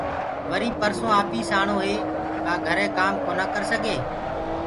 وريٚ پرسونٚ آپيٚس آڻو هي ڪآ گھري ڪآم ڪونآ ڪرسگي